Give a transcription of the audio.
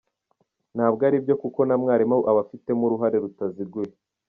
Ntabwo ari byo kuko na mwarimu aba abifitemo uruhare rutaziguye.